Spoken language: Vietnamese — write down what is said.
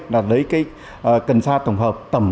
là lấy cần sa tổng hợp tẩm